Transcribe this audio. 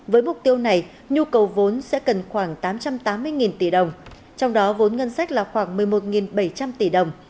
với mục tiêu này nhu cầu vốn sẽ cần khoảng tám trăm tám mươi tỷ đồng trong đó vốn ngân sách là khoảng một mươi một bảy trăm linh tỷ đồng